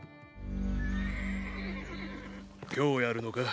今日やるのか？